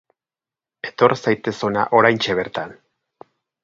Etor zaitez hona oraintxe bertan!